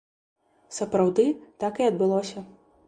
Сапраўды, так і адбылося.